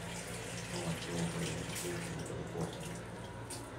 裝完之後會有很舒服的過程